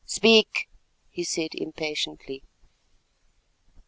"Speak," he said impatiently.